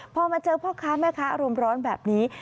พอมาเจอพ่อค้าแม่ค้าอารมณ์ร้อนแบบนี้